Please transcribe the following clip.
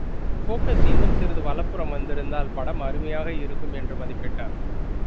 Focus இன்னும் சிறிது வலப்புறம் வந்திருந்தால் படம் அருமையாக இருக்கும் என்று மதிப்பிட்டார்.